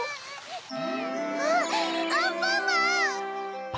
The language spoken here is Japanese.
・あっアンパンマン！